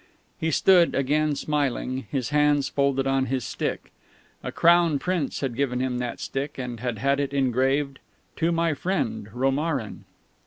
He stood, again smiling, his hands folded on his stick. A Crown Prince had given him that stick, and had had it engraved, "To my Friend, Romarin."